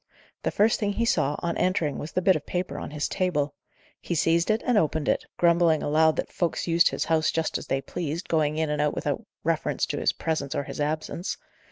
The first thing he saw, on entering, was the bit of paper on his table. He seized and opened it, grumbling aloud that folks used his house just as they pleased, going in and out without reference to his presence or his absence.